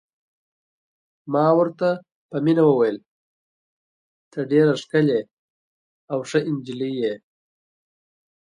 ما ورته په مینه وویل: ته ډېره ښکلې او ښه نجلۍ یې.